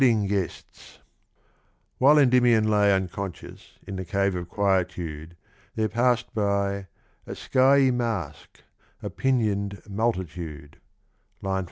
i.im%' While Eudymiou lay unconscious in the Cave of Quietude there passed by " A skyey mask, a pinion'd mul titude " (558).